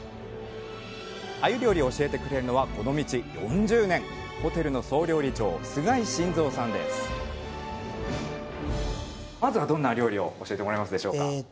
あゆ料理を教えてくれるのはこの道４０年まずはどんな料理を教えてもらえますでしょうか？